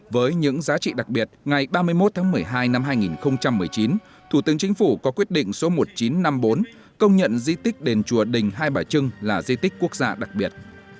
với những giá trị đặc biệt ngày ba mươi một tháng một mươi hai năm hai nghìn một mươi chín thủ tướng chính phủ có quyết định số một nghìn chín trăm năm mươi bốn công nhận di tích đền chùa đình hai bà trưng là di tích quốc gia đặc biệt